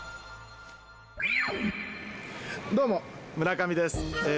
どうも村上です。